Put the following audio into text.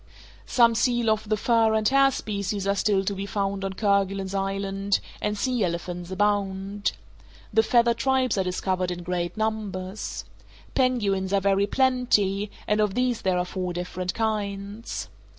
Some seal of the fur and hair species are still to be found on Kerguelen's Island, and sea elephants abound. The feathered tribes are discovered in great numbers. Penguins are very plenty, and of these there are four different kinds.